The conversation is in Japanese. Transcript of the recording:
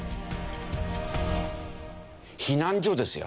避難所ですよ